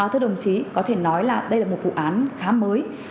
thưa đồng chí có thể nói là đây là một vụ án khá mới